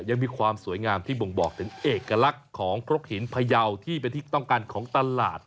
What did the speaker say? ยังมีความสวยงามที่บ่งบอกถึงเอกลักษณ์ของครกหินพยาวที่เป็นที่ต้องการของตลาด